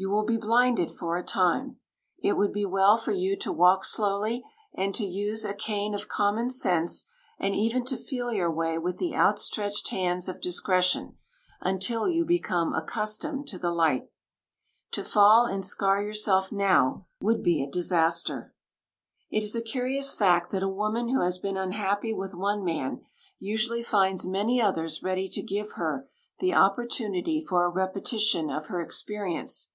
You will be blinded for a time. It would be well for you to walk slowly, and to use a cane of common sense, and even to feel your way with the outstretched hands of discretion, until you become accustomed to the light. To fall and scar yourself now, would be a disaster. It is a curious fact that a woman who has been unhappy with one man usually finds many others ready to give her the opportunity for a repetition of her experience.